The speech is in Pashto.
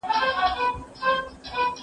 دا مډال زموږ په سینه دی.